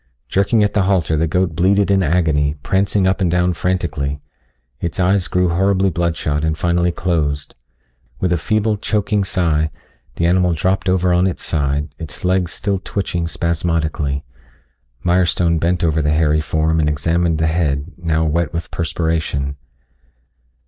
Jerking at the halter the goat bleated in agony, prancing up and down frantically. Its eyes grew horribly bloodshot and finally closed. With a feeble, choking sigh, the animal dropped over on its side, its legs still twitching spasmodically. Mirestone bent over the hairy form and examined the head, now wet with perspiration.